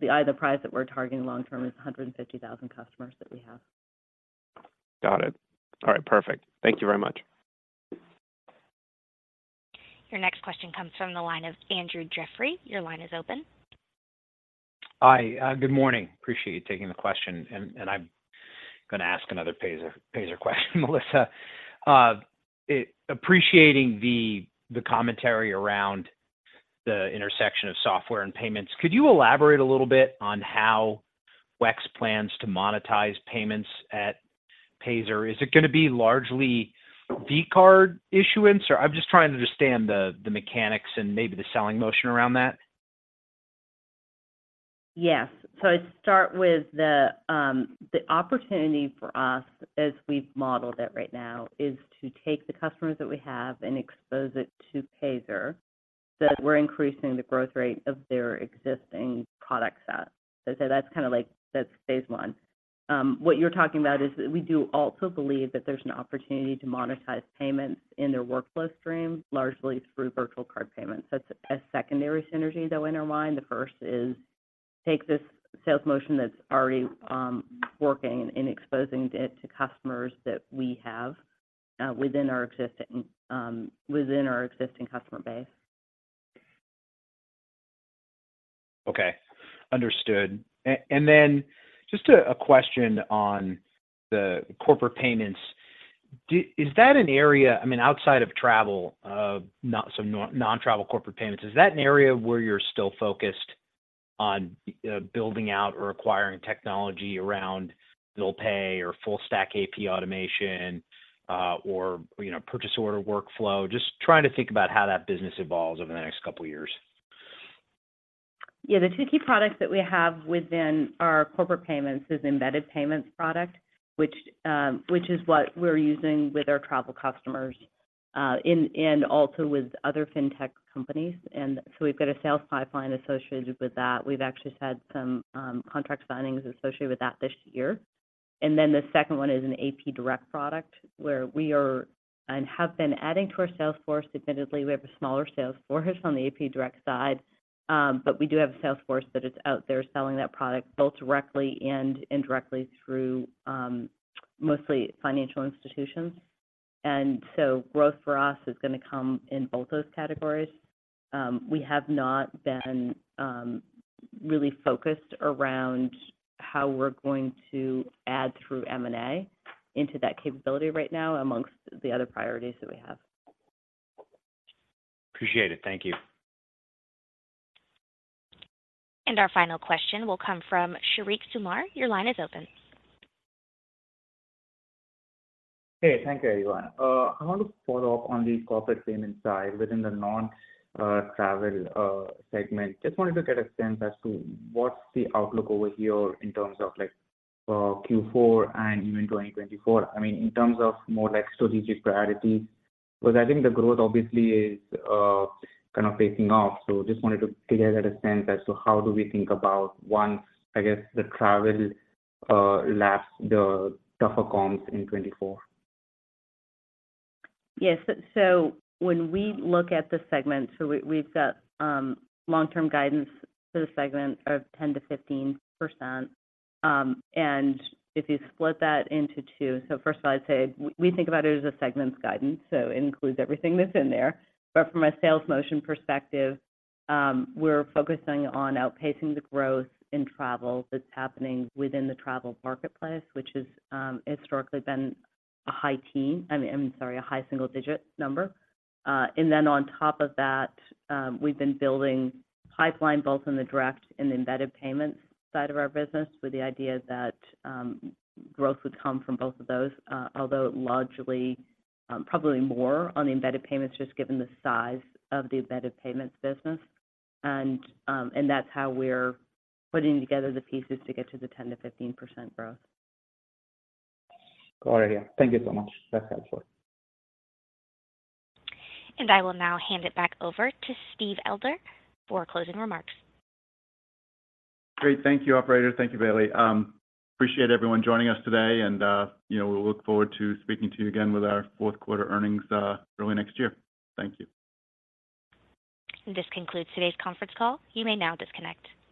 the either price that we're targeting long term is 150,000 customers that we have. Got it. All right, perfect. Thank you very much. Your next question comes from the line of Andrew Jeffrey. Your line is open. Hi. Good morning. Appreciate you taking the question, and I'm going to ask another Payzer question, Melissa. Appreciating the commentary around the intersection of software and payments, could you elaborate a little bit on how WEX plans to monetize payments at Payzer? Is it going to be largely V card issuance, or... I'm just trying to understand the mechanics and maybe the selling motion around that. Yes. So I'd start with the opportunity for us, as we've modeled it right now, is to take the customers that we have and expose it to Payzer, so that we're increasing the growth rate of their existing product set. So say that's kind of like, that's phase one. What you're talking about is that we do also believe that there's an opportunity to monetize payments in their workflow stream, largely through virtual card payments. That's a secondary synergy, though, in our mind. The first is take this sales motion that's already working and exposing it to customers that we have within our existing customer base. Okay. Understood. And then just a question on the corporate payments. Is that an area, I mean, outside of travel, not some non-travel corporate payments, is that an area where you're still focused on building out or acquiring technology around bill pay or full stack AP automation, or, you know, purchase order workflow? Just trying to think about how that business evolves over the next couple of years. Yeah. The two key products that we have within our corporate payments is embedded payments product, which, which is what we're using with our travel customers.... and, and also with other fintech companies. And so we've got a sales pipeline associated with that. We've actually had some, contract signings associated with that this year. And then the second one is an AP Direct product, where we are, and have been adding to our sales force. Admittedly, we have a smaller sales force on the AP D irect side, but we do have a sales force that is out there selling that product, both directly and indirectly through, mostly financial institutions. And so growth for us is gonna come in both those categories. We have not been really focused around how we're going to add through M&A into that capability right now, amongst the other priorities that we have. Appreciate it. Thank you. Our final question will come from Sheriq Sumar. Your line is open. Hey, thank you, everyone. I want to follow up on the corporate payment side within the non-travel segment. Just wanted to get a sense as to what's the outlook over here in terms of, like, Q4 and even 2024. I mean, in terms of more like strategic priority, because I think the growth obviously is kind of pacing off. So just wanted to get a sense as to how do we think about once, I guess, the travel laps the tougher comps in 2024? Yes. When we look at the segment, we've got long-term guidance for the segment of 10%-15%. If you split that into two—first of all, I'd say we think about it as a segment's guidance, so it includes everything that's in there. From a sales motion perspective, we're focusing on outpacing the growth in travel that's happening within the travel marketplace, which has historically been a high single-digit number. I mean, I'm sorry, a high single-digit number. On top of that, we've been building pipeline, both in the direct and the embedded payments side of our business, with the idea that growth would come from both of those. Although largely, probably more on the embedded payments, just given the size of the embedded payments business. And that's how we're putting together the pieces to get to the 10%-15% growth. Got it. Thank you so much. That's helpful. I will now hand it back over to Steve Elder for closing remarks. Great. Thank you, operator. Thank you, Bailey. Appreciate everyone joining us today, and, you know, we look forward to speaking to you again with our fourth quarter earnings, early next year. Thank you. This concludes today's conference call. You may now disconnect.